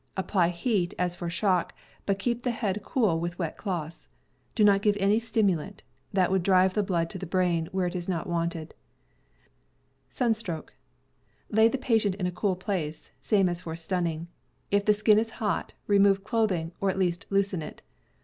Apply heat, as for ^. shock, but keep the head cool with wet cloths. Do not give any stimulant — that would drive blood to the brain, where it is not wanted. Lay the patient in a cool place, position same as for 310 CAMPING AND WOODCRAFT stunning. If the skin is hot, remove clothing, or at , least loosen it.